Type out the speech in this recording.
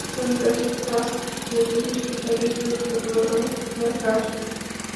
সন্ত্রাসীদের অস্ত্রের ভয়ে পুলিশও তাদের বিরুদ্ধে কোনো ব্যবস্থা নেওয়ার সাহস পায় না।